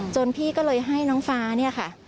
พี่ก็เลยให้น้องฟ้าเนี่ยค่ะ